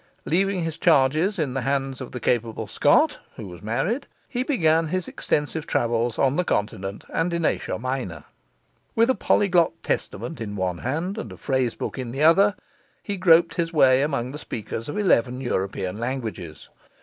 Leaving his charges in the hands of the capable Scot (who was married), he began his extensive travels on the Continent and in Asia Minor. With a polyglot Testament in one hand and a phrase book in the other, he groped his way among the speakers of eleven European languages.